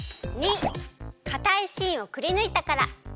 ②かたいしんをくりぬいたから。